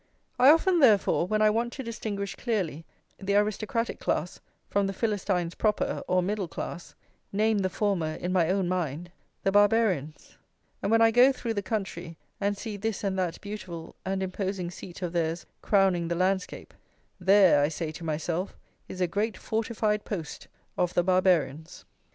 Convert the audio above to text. I often, therefore, when I want to distinguish clearly the aristocratic class from the Philistines proper, or middle class, name the former, in my own mind, the Barbarians: and when I go through the country, and see this and that beautiful and imposing seat of theirs crowning the landscape, "There," I say to myself, "is a great fortified post of the Barbarians."